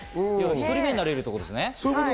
１人目になれるということですね。